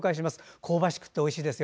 香ばしくておいしいですよ。